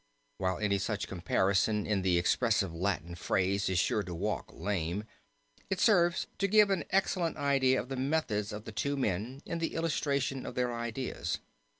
While any such comparison in the expressive Latin phrase is sure to walk lame, it serves to give an excellent idea of the methods of the two men in the illustration of their ideas.